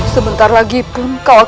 teman paduduk payah